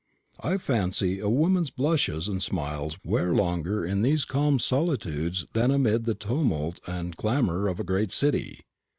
I fancy a woman's blushes and smiles wear longer in these calm solitudes than amid the tumult and clamour of a great city.